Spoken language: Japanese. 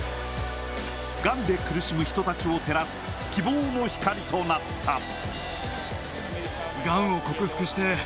がんで苦しむ人たちを照らす希望の光となった。